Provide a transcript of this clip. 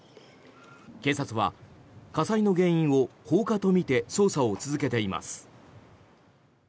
警察は火災の原因を放火とみて捜査を続けています。